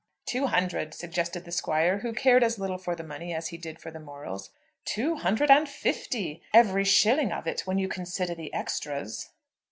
"Two hundred," suggested the squire, who cared as little for the money as he did for the morals. "Two hundred and fifty, every shilling of it, when you consider the extras."